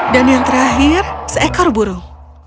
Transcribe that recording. dan yang terakhir seekor burung